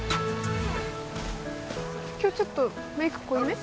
今日ちょっとメイク濃いめ？